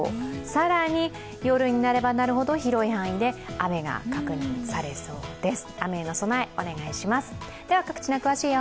更によるになればなるほど広い範囲で雨が角にされそうです。